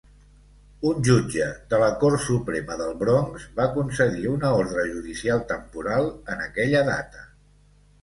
Un jutge de la Cort Suprema del Bronx va concedir una ordre judicial temporal en aquella data.